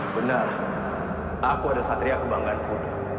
benar aku ada satria kebanggaanmu